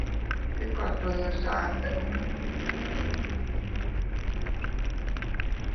Iekārtojies ērti?